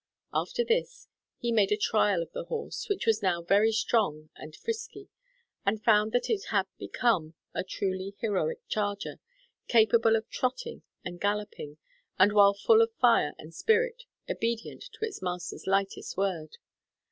After this, he made a trial of the horse, which was now very strong and frisky, and found that it had become a truly heroic charger, capable of trotting and galloping, and while full of fire and spirit, obedient to its master's lightest word.